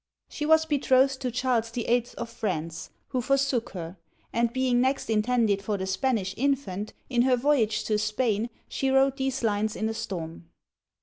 She was betrothed to Charles VIII. of France, who forsook her; and being next intended for the Spanish infant, in her voyage to Spain, she wrote these lines in a storm.